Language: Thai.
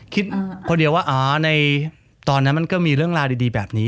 คิดคนเดียวว่าอ๋อในตอนนั้นมันก็มีเรื่องราวดีแบบนี้